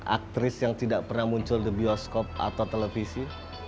aktris yang tidak pernah muncul di bioskop atau televisi